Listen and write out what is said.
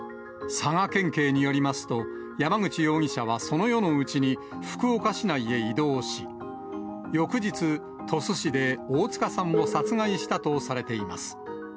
佐賀県警によりますと、山口容疑者はその夜のうちに、福岡市内へ移動し、翌日、鳥栖市で大塚さんを殺害したとされています。